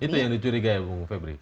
itu yang dicurigai bapak ibu febri